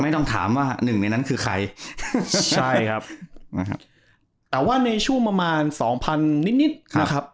ต้องถามว่าหนึ่งในนั้นคือใครใช่ครับนะครับแต่ว่าในช่วงประมาณสองพันนิดนิดนะครับ